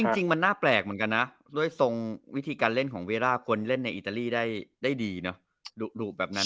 จริงมันน่าแปลกเหมือนกันนะด้วยทรงวิธีการเล่นของเวร่าคนเล่นในอิตาลีได้ดีเนอะดุแบบนั้น